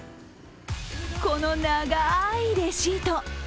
この長いレシート。